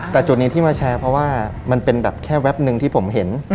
แต่จุดนี้ที่มาแชร์เพราะว่ามันเป็นแบบแค่แป๊บนึงที่ผมเห็น